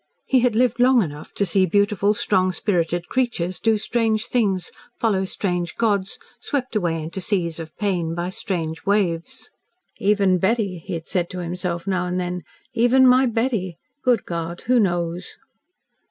He had lived long enough to see beautiful, strong spirited creatures do strange things, follow strange gods, swept away into seas of pain by strange waves. "Even Betty," he had said to himself, now and then. "Even my Betty. Good God who knows!"